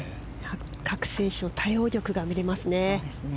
各選手の対応力が見れますね。